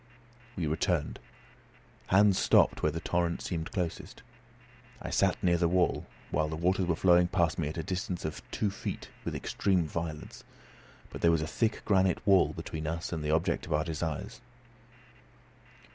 We returned. Hans stopped where the torrent seemed closest. I sat near the wall, while the waters were flowing past me at a distance of two feet with extreme violence. But there was a thick granite wall between us and the object of our desires.